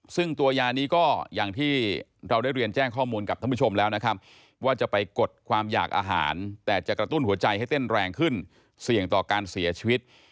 ซึ่งตัวยานี้ก็อย่างที่เราได้เรียนแจ้งข้อมูลกับท่านผู้ชมแล้วนะครับว่าจะไปกดความอยากอาหารแต่จะกระตุ้นหัวใจให้เต้นแรงขึ้นเสี่ยงต่อการเสียชีวิต